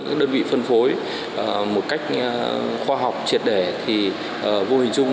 những đơn vị phân phối một cách khoa học triệt để thì vô hình chung